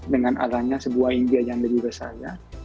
dengan adanya sebuah india yang lebih besar ya